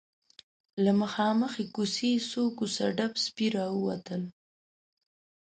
له مخامخ کوڅې څو کوڅه ډب سپي راووتل.